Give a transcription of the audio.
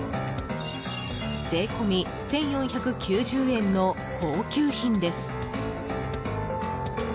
税込み１４９０円の高級品です。